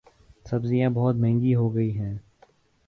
سبزیاں بہت مہنگی ہوگئی ہیں